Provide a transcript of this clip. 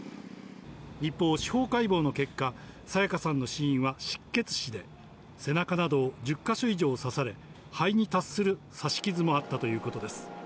一方、司法解剖の結果彩加さんの死因は失血死で背中などを１０か所以上刺され肺に達する刺し傷もあったということです。